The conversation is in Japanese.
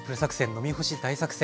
「飲みほし大作戦！」